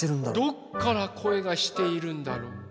・どっからこえがしているんだろう？